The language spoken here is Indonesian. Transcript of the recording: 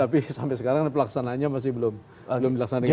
tapi sampai sekarang pelaksananya masih belum dilaksanakan baik